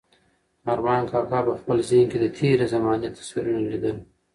ارمان کاکا په خپل ذهن کې د تېرې زمانې تصویرونه لیدل.